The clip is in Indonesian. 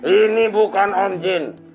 ini bukan om jin